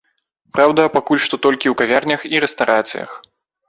Праўда, пакуль што толькі ў кавярнях і рэстарацыях.